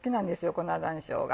粉山椒が。